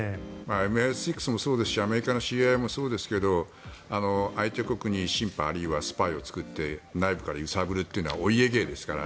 ＭＩ６もそうですしアメリカのＣＩＡもそうですが相手国にシンパあるいはスパイを作って内部からゆするというのはお家芸ですから。